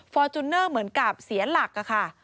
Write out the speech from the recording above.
ฟอร์จูเนอร์เหมือนกับเสียหลักค่ะ